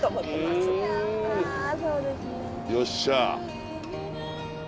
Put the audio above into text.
よっしゃ。